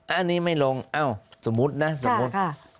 อันนี้ไม่ลงเอ้าสมมุตินะสมมุติ